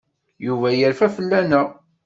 Yuba yerfa fell-aneɣ.